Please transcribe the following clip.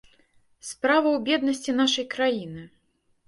Справа ў беднасці нашай краіны.